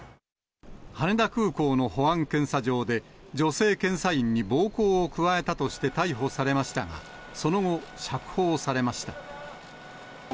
羽田空港の保安検査場で、女性検査員に暴行を加えたとして逮捕されましたが、その後、釈放されました。